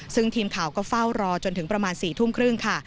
ซึ่งทีมข่าวก็เฝ้ารอจนถึงประมาณ๔ทุ่มครึ่งค่ะ